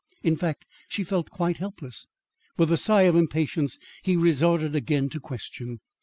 In fact, she felt quite helpless. With a sigh of impatience, he resorted again to question.